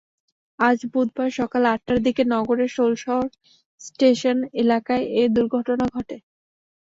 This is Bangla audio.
আজ বুধবার সকাল আটটার দিকে নগরের ষোলশহর স্টেশন এলাকায় এ দুর্ঘটনা ঘটে।